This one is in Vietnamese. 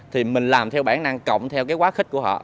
thì mình làm theo bản năng cộng theo cái quá khích của họ